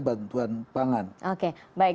bantuan pangan oke baik